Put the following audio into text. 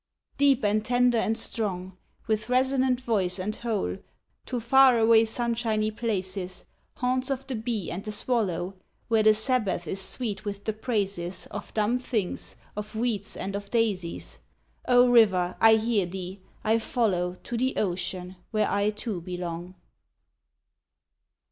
Deep, and tender, and strong! With resonant voice and hole To far away sunshiny places, Haunts of the bee and the swallow, Where the Sabbath is sweet with the praises Of dumb things, of weeds and of daisies, Oh river! I hear thee I follow To the ocean where I too belong.